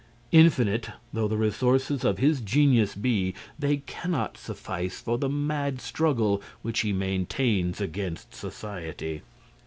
Infinite though the resources of his genius be, they cannot suffice for the mad struggle which he maintains against society.